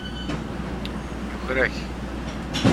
Yuker-ak.